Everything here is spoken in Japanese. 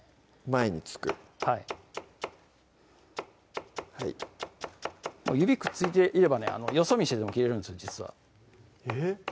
前に突くはい指くっついていればねよそ見してても切れるんです実はえぇ？